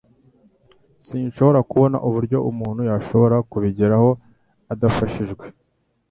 Sinshobora kubona uburyo umuntu yashobora kubigeraho adafashijwe